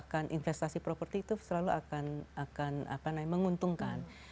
dan investasi properti itu selalu akan menguntungkan